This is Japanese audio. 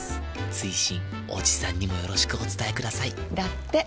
追伸おじさんにもよろしくお伝えくださいだって。